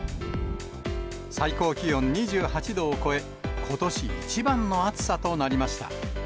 最高気温２８度を超え、ことし一番の暑さとなりました。